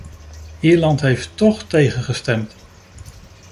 Ierland heeft toch tegengestemd.